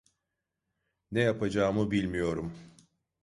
Ne yapacağımı bilmiyorum.